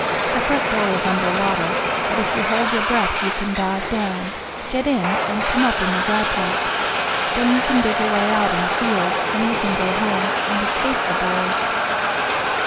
The front door is under water, but if you hold your breath you can dive down, get in and come up in the dry part. Then you can dig a way out in a field, and we can go home, and escape the boys."